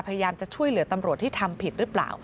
พยายามจะช่วยเหลือตำรวจที่ทำผิดหรือเปล่า